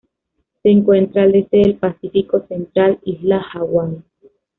Se encuentran al este del Pacífico central: Islas Hawaii.